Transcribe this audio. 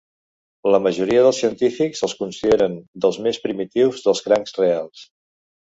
La majoria dels científics els consideren dels més primitius dels crancs reals.